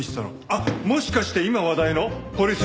あっもしかして今話題の「ポリス浄化ぁ」？